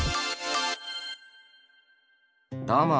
どうも。